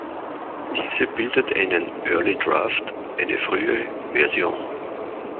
Diese bildet einen "Early Draft", eine frühe Version.